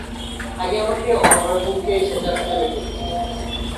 আগে আমাকে ওর বয়ফ্রেন্ডটা কে সেটা খুঁজে বের করতে হবে।